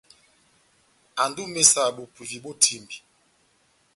Ando ó imésa bopivi bó etímbi.